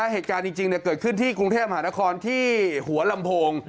เหตุการณ์จริงเกิดขึ้นที่กรุงเทพหานครที่หัวลำโพง